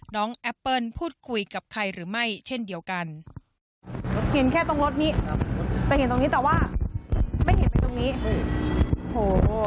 แอปเปิ้ลพูดคุยกับใครหรือไม่เช่นเดียวกันรถเห็นแค่ตรงรถนี้ครับจะเห็นตรงนี้แต่ว่าไม่เห็นไปตรงนี้โอ้โห